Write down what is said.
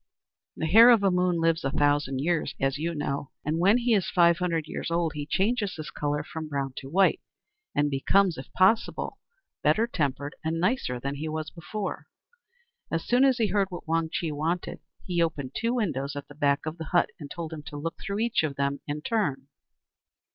The Hare of the Moon lives a thousand years, as you know, and when he is five hundred years old he changes his colour, from brown to white, and becomes, if possible, better tempered and nicer than he was before. As soon as he heard what Wang Chih wanted, he opened two windows at the back of the hut, and told him to look through each of them in turn.